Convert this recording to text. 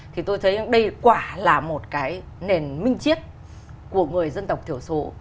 thì tôi thấy đây quả là một cái nền minh chiết của người dân tộc thiểu số